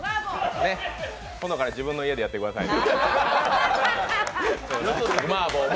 今度から自分の家でやってくださいね。